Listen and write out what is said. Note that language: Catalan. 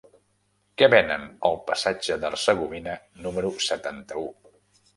Què venen al passatge d'Hercegovina número setanta-u?